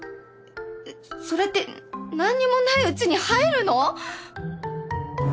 それって何にもないうちに入るの？